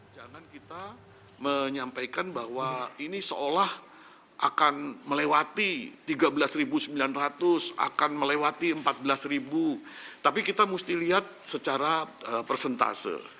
jangan kita menyampaikan bahwa ini seolah akan melewati rp tiga belas sembilan ratus akan melewati rp empat belas tapi kita mesti lihat secara persentase